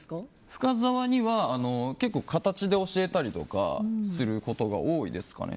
深澤には結構形で教えたりとかすることが多いですかね。